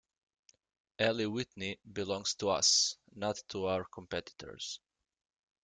Eli Whitney belongs to us, not to our competitors.